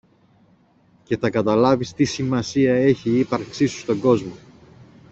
και θα καταλάβεις τι σημασία έχει η ύπαρξη σου στον κόσμο.